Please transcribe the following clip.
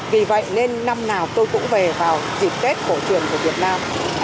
vì vậy nên năm nào tôi cũng về vào dịp tết cổ truyền của việt nam